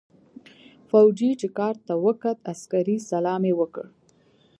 فوجي چې کارت ته وکوت عسکري سلام يې وکړ.